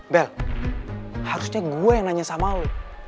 bel harusnya gue yang nanya sama lo